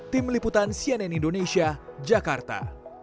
tim liputan cnn indonesia jakarta